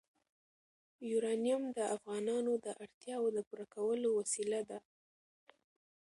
یورانیم د افغانانو د اړتیاوو د پوره کولو وسیله ده.